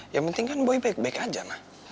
yang penting kan boy baik baik aja lah